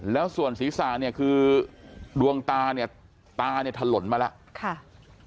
แล้วส่วนศีรษะเนี่ยคือดวงตาเนี่ยตาเนี่ยถล่นมาแล้ว